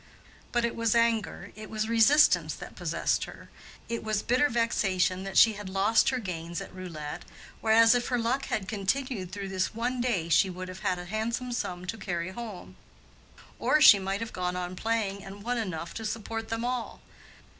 But it was anger, it was resistance that possessed her; it was bitter vexation that she had lost her gains at roulette, whereas if her luck had continued through this one day she would have had a handsome sum to carry home, or she might have gone on playing and won enough to support them all.